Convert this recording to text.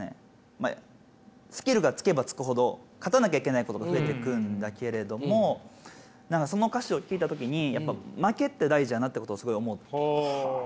まあスキルがつけばつくほど勝たなきゃいけないことが増えていくんだけれども何かその歌詞を聴いた時にやっぱ負けって大事だなってことをすごい思って。